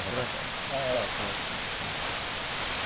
だからこうやったんですよね。